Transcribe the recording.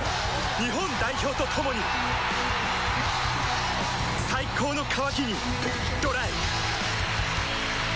日本代表と共に最高の渇きにＤＲＹ